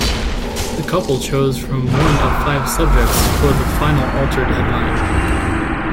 The couple chose from one of five subjects for the final altered headline.